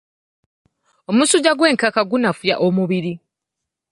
Omusujja gw'enkaka gunafuya omubiri.